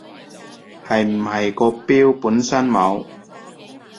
係唔係個表本身冇